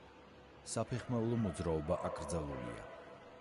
საფეხმავლო მოძრაობა აკრძალულია.